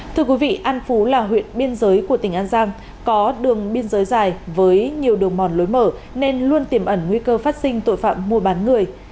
thưa quý vị an phú là huyện biên giới của tỉnh an giang có đường biên giới dài với nhiều đường mòn lối mở nên luôn tiềm ẩn nguy cơ phát sinh tội phạm mua bán người